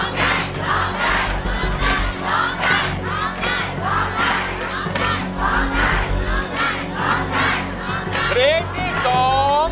ร้องได้แบบนี้ค่ะทีเตียงที่สอง